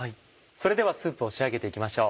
それではスープを仕上げて行きましょう。